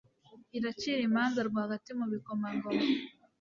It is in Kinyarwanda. iracira imanza rwagati mu bikomangoma